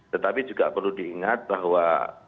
tetapi juga perlu diingat bahwa